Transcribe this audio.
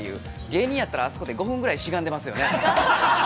芸人やったらあそこで５分ぐらいしがんでますね。